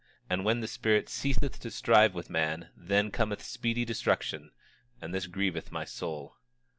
And when the Spirit ceaseth to strive with man then cometh speedy destruction, and this grieveth my soul.